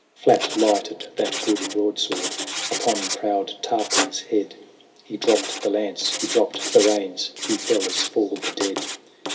Flat lighted that good broadsword Upon proud Tarquin's head. He dropped the lance : he dropped the reins He fell as fall the dead.